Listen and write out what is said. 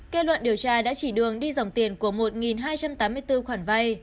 kết luận điều tra đã chỉ đường đi dòng tiền của một hai trăm tám mươi bốn khoản vay